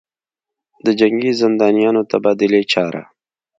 دجنګي زندانیانودتبادلې چاره